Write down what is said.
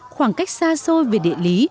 khoảng cách xa xôi về địa lý